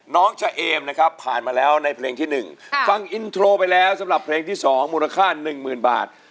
น้องเฉเอมนะครับผ่านมาแล้วในเพลงที่๑ฟังอินโทรไปแล้วสำหรับเพลงที่๒มูลค่า๑๐๐๐บาท